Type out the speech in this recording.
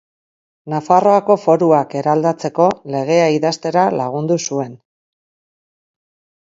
Nafarroako Foruak Eraldatzeko Legea idaztera lagundu zuen.